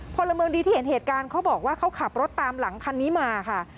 พลเมืองดีที่เห็นเหตุการณ์เขาบอกว่าเขาขับรถตามหลังคันนี้มาค่ะ